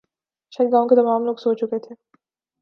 شاید گاؤں کے تمام لوگ سو چکے تھے